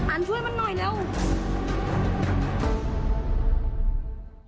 อ่านช่วยมันหน่อยแล้ว